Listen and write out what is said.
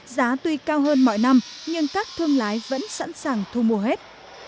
giá tuy cao hơn mọi năm nhưng các thương lái vẫn sẵn sàng thu mua hết